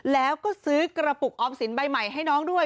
แล้วก็ซื้อกระปุกออมสินใบใหม่ให้น้องด้วย